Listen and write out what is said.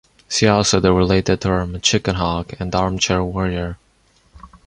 See also the related term "chickenhawk" and armchair warrior.